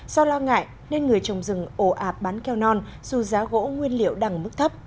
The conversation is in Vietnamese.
do lo ngại nên người trồng rừng ổ ạp bán keo non dù giá gỗ nguyên liệu đang ở mức thấp